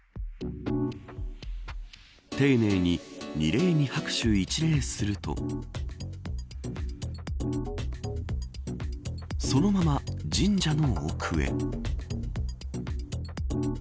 丁寧に二礼二拍手一礼するとそのまま神社の奥へ。